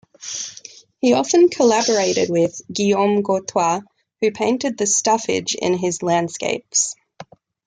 He often collaborated with Guillaume Courtois who painted the staffage in his landscapes.